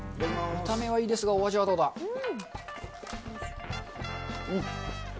見た目はいいですが、お味はうん。